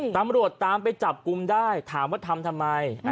ตำรวจตามไปจับกลุ่มได้ถามว่าทำทำไม